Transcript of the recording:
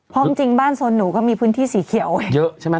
เพราะจริงบ้านสนหนูก็มีพื้นที่สีเขียวเยอะใช่ไหม